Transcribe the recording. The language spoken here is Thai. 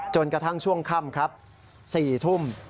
กระทั่งช่วงค่ำครับ๔ทุ่ม